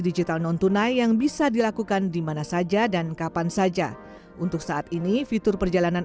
digital non tunai yang bisa dilakukan dimana saja dan kapan saja untuk saat ini fitur perjalanan